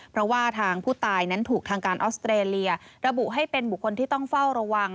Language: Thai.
เพราะว่าทางผู้ตายนั้นถูกทางการออสเตรเลียระบุให้เป็นบุคคลที่ต้องเฝ้าระวัง